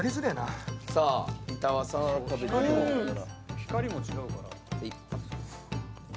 光も違うから。